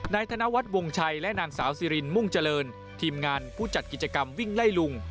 ธนวัฒน์วงชัยและนางสาวสิรินมุ่งเจริญทีมงานผู้จัดกิจกรรมวิ่งไล่ลุง